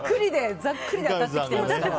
ざっくりで当たってきてますからね。